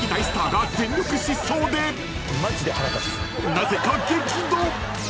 ［なぜか激怒］